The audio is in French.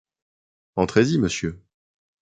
Entrez-y, Monsieur.